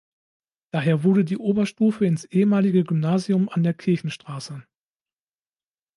Daher wurde die Oberstufe ins ehemalige Gymnasium an der Kirchenstraße.